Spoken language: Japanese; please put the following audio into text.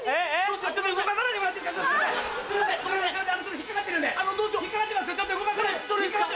引っ掛かってます！